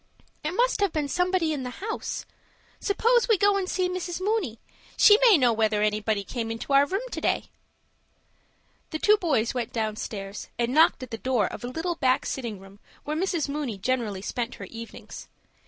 "It must have been somebody in the house. Suppose we go and see Mrs. Mooney. She may know whether anybody came into our room to day." The two boys went downstairs, and knocked at the door of a little back sitting room where Mrs. Mooney generally spent her evenings.